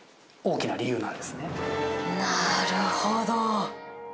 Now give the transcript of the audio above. なるほど！